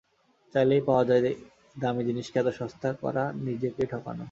চাইলেই পাওয়া যায়, দামী জিনিসকে এত সস্তা করা নিজেকেই ঠকানো।